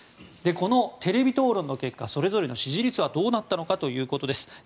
このテレビ討論の結果それぞれの支持率はどうなったのかということです。